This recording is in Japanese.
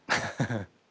ハハハ。